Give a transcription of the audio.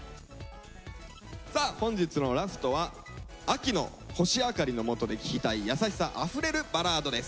さあ本日のラストは秋の星明かりのもとで聴きたい優しさあふれるバラードです。